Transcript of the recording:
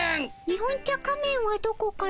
日本茶仮面はどこかの？